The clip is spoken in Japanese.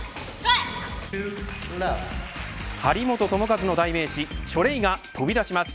張本智和の代名詞チョレイが飛び出します。